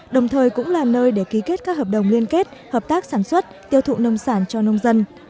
đồng thời cũng là nơi để ký kết các hợp đồng liên kết hợp tác sản xuất tiêu thụ nông sản cho nông dân